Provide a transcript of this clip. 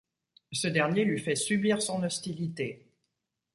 Ce dernier lui fait subir son hostilité.